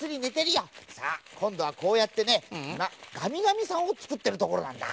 さあこんどはこうやってねがみがみさんをつくってるところなんだ。